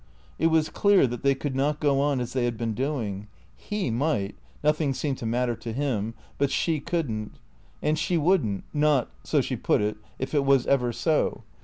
It was clear that they could not go on as they had been doing. He might (nothing seemed to matter to him), but she could n't : and she would n't, not (so she put it) if it was ever so.